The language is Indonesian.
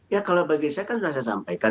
ya kalau bagi saya kan sudah saya sampaikan